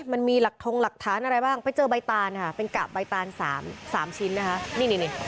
มันมีหลักทงหลักฐานอะไรบ้างไปเจอใบตานค่ะเป็นกะใบตาน๓ชิ้นนะคะ